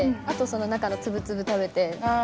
あとその中のツブツブ食べて。